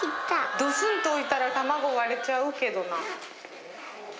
ドスンと置いたら卵割れちゃうけどな。